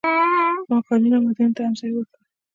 ما کانونو او معادنو ته هم ځای ورکړ.